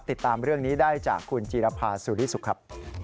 ติดตามเรื่องนี้ได้จากคุณจีรภาสุริสุขครับ